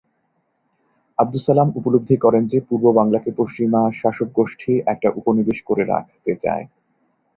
আবদুস সালাম উপলব্ধি করেন যে পূর্ব বাংলাকে পশ্চিমা শাসকগোষ্ঠী একটা উপনিবেশ করে রাখতে চায়।